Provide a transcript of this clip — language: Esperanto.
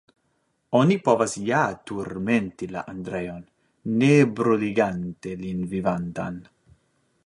Oni povas ja turmenti la Andreon, ne bruligante lin vivantan.